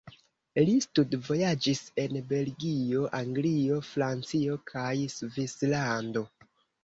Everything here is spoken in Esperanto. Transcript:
Li studvojaĝis en Belgio, Anglio, Francio kaj Svislando.